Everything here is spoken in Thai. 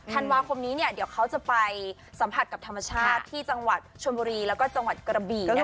ธันวาคมนี้เดี๋ยวเขาจะไปสัมผัสกับธรรมชาติที่จังหวัดชนบุรีแล้วก็จังหวัดกระบี่